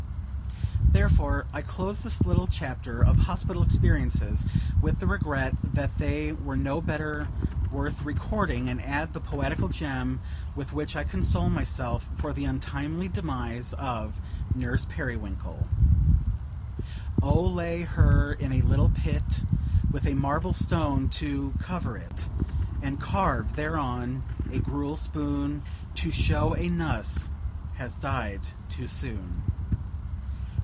Therefore, I close this little chapter of hospital experiences, with the regret that they were no better worth recording; and add the poetical gem with which I console myself for the untimely demise of "Nurse Periwinkle:" Oh, lay her in a little pit, With a marble stone to cover it; And carve thereon a gruel spoon, To show a "nuss" has died too soon.